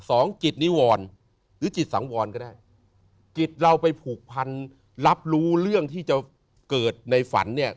สองจิตนิวรหรือจิตสังวรก็ได้จิตเราไปผูกพันรับรู้เรื่องที่จะเกิดในฝันเนี่ย